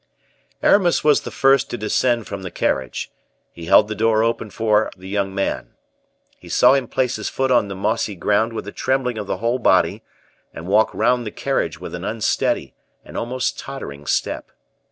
Aramis was the first to descend from the carriage; he held the door open for the young man. He saw him place his foot on the mossy ground with a trembling of the whole body, and walk round the carriage with an unsteady and almost tottering step.